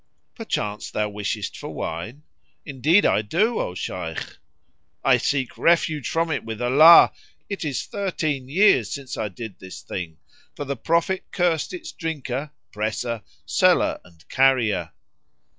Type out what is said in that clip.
"Perchance thou wishest for wine?" "Indeed I do, O Shaykh!" "I seek refuge from it with Allah: it is thirteen years since I did this thing, for the Prophet (Abhak[FN#50]) cursed its drinker, presser, seller and carrier!"